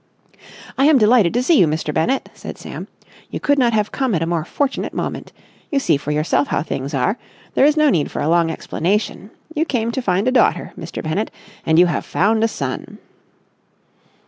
"I am delighted to see you, Mr. Bennett," said Sam. "You could not have come at a more fortunate moment. You see for yourself how things are. There is no need for a long explanation. You came to find a daughter, Mr. Bennett, and you have found a son!"